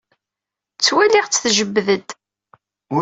Ttwaliɣ-tt tjebbed-d.